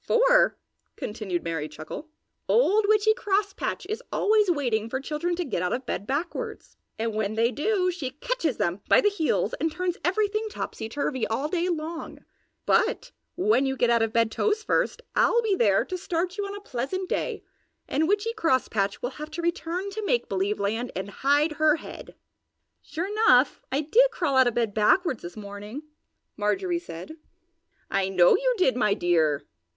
"For," continued Merry Chuckle, "Old Witchy Crosspatch is always waiting for children to get out of bed backwards. And when they do, she catches them by the heels and turns everything topsy turvy all day long; but when you get out of bed toes first, I'll be there to start you on a pleasant day and Witchy Crosspatch will have to return to Make Believe Land and hide her head!" "Sure enough, I did crawl out of bed backwards this morning!" Marjorie said. "I know you did, my dear!"